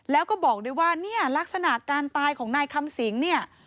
แล้วก็บอกด้วยว่าเนี่ยลักษณะการตายของนายคำสิงเนี่ย